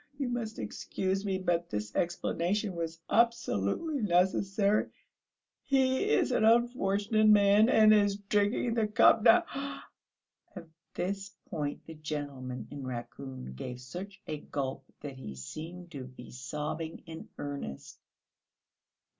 you must excuse me, but this explanation was absolutely necessary.... He is an unfortunate man, and is drinking the cup now!..." At this point the gentleman in raccoon gave such a gulp that he seemed to be sobbing in earnest.